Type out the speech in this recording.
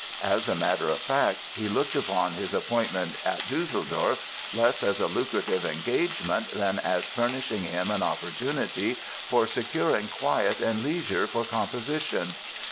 As a matter of fact, he looked upon his appointment at Düsseldorf less as a lucrative engagement than as furnishing him an opportunity "for securing quiet and leisure for composition".